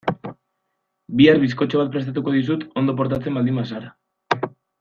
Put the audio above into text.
Bihar bizkotxo bat prestatuko dizut ondo portatzen baldin bazara.